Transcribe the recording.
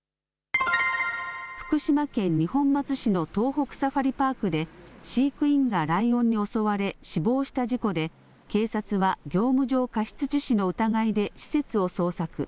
福島県二本松市の東北サファリパークで飼育員がライオンに襲われ死亡した事故で警察は業務上過失致死の疑いで施設を捜索。